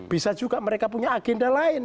bisa juga mereka punya agenda lain